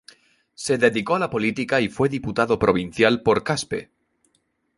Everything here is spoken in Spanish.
Se dedicó a la política y fue diputado provincial por Caspe.